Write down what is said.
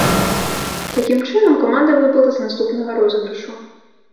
Такім чынам, каманда выбыла з наступнага розыгрышу.